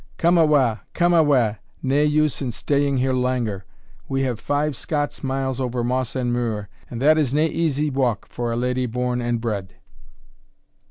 Come awa, come awa, nae use in staying here langer; we have five Scots miles over moss and muir, and that is nae easy walk for a leddy born and bred."